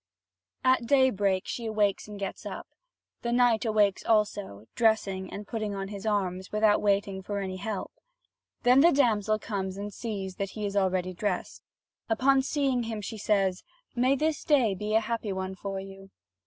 (Vv. 1293 1368.) At daybreak she awakes and gets up. The knight awakes too, dressing, and putting on his arms, without waiting for any help. Then the damsel comes and sees that he is already dressed. Upon seeing him, she says: "May this day be a happy one for you."